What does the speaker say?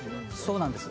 そうなんです。